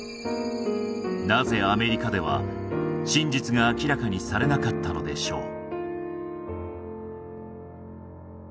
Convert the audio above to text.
なぜアメリカでは真実が明らかにされなかったのでしょう